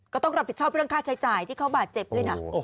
ก็ต้องรับผิดเช่าเพื่อนข้าใช้จ่ายที่เขาบาดเจ็บด้วยน่ะโอ้โห